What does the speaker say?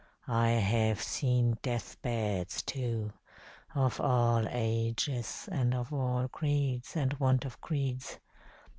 I have seen death beds, too, of all ages and of all creeds and want of creeds.